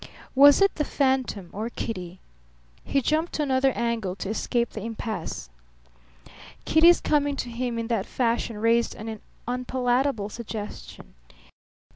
Was it the phantom or Kitty? He jumped to another angle to escape the impasse. Kitty's coming to him in that fashion raised an unpalatable suggestion.